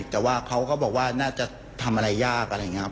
แต่ว่าเขาก็บอกว่าน่าจะทำอะไรยากอะไรอย่างนี้ครับ